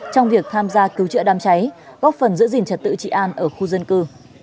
trong việc tham gia cứu chữa đám cháy góp phần giữ gìn trật tự trị an ở khu dân cư